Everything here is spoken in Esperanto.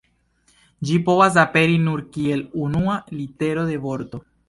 Ĝi povas aperi nur kiel unua litero de vorto.